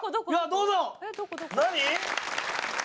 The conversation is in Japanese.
どうぞ！何？